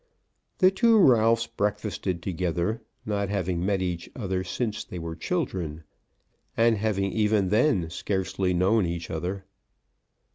The two Ralphs breakfasted together, not having met each other since they were children, and having even then scarcely known each other.